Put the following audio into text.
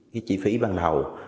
cái chỉ phí ban đầu